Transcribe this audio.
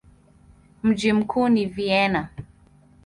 Mji mkuu ni Vienna.